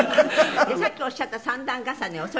「さっきおっしゃった３段重ね恐れ入ります」